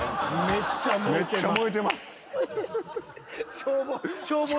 「めっちゃ燃えてます」